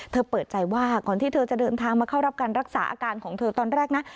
เปิดใจว่าก่อนที่เธอจะเดินทางมาเข้ารับการรักษาอาการของเธอตอนแรกนะ